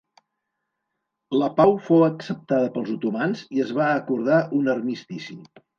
La pau fou acceptada pels otomans i es va acordar un armistici.